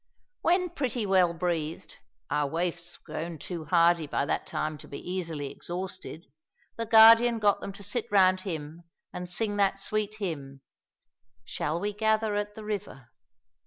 When pretty well breathed our waifs were grown too hardy by that time to be easily exhausted the Guardian got them to sit round him and sing that sweet hymn: "Shall we gather at the river?"